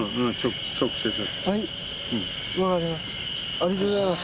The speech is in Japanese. ありがとうございます。